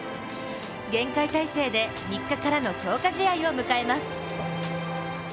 厳戒態勢で３日からの強化試合を迎えます。